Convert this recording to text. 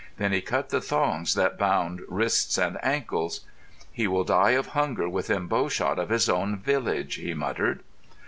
Then he cut the thongs that bound wrists and ankles. "He will die of hunger within bowshot of his own village," he muttered.